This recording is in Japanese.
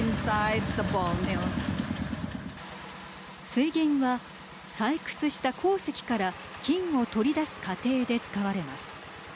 水銀は、採掘した鉱石から金を取り出す過程で使われます。